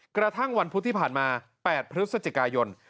กระทั่งวันพุธที่ผ่านมา๘พฤศจิกายน